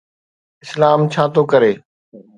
اسلام ڇا ٿو ڪري؟